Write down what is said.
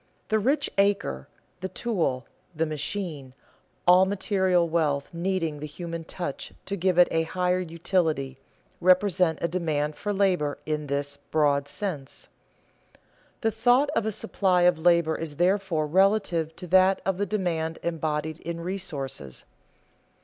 The rich acre, the tool, the machine, all material wealth needing the human touch to give it a higher utility, represent a demand for labor in this broad sense. The thought of a supply of labor is therefore relative to that of the demand embodied in resources.